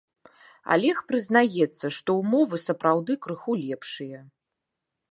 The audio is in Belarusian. Алег прызнаецца, што ўмовы сапраўды крыху лепшыя.